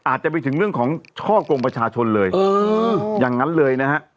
อาจจะไปถึงเรื่องของช่อกงประชาชนเลยเอออย่างนั้นเลยนะฮะ